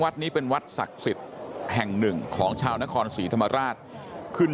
วัดนี้เป็นวัดศักดิ์สิทธิ์แห่งหนึ่งของชาวนครศรีธรรมราชขึ้น